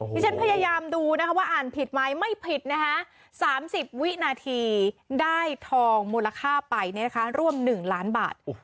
ที่ฉันพยายามดูนะคะว่าอ่านผิดไหมไม่ผิดนะคะ๓๐วินาทีได้ทองมูลค่าไปร่วม๑ล้านบาท